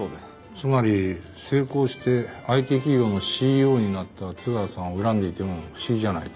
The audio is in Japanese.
つまり成功してＩＴ企業のＣＥＯになった津川さんを恨んでいても不思議じゃないと。